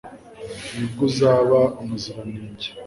ni bwo uzaba umuziranenge